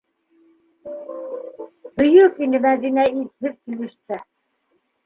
Бөйөк ине Мәҙинә иҫһеҙ килеш тә.